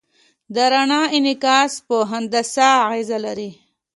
د رڼا انعکاس په هندسه اغېز لري.